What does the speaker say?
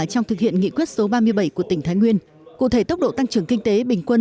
trong thực hiện nghị quyết số ba mươi bảy của tỉnh thái nguyên cụ thể tốc độ tăng trưởng kinh tế bình quân